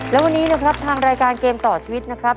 และวันนี้นะครับทางรายการเกมต่อชีวิตนะครับ